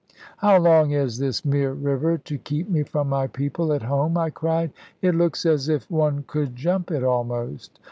"How long is this mere river to keep me from my people at home?" I cried; "it looks as if one could jump it almost!